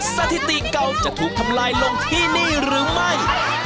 สถิติเก่าจะถูกทำลายลงที่นี่หรือไม่